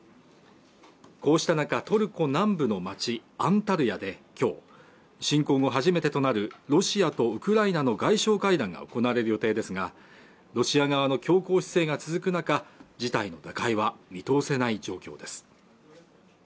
こうした中トルコ南部の町アンタルヤで今日侵攻後初めてとなるロシアとウクライナの外相会談が行われる予定ですがロシア側の強硬姿勢が続く中事態の打開は見通せない状況です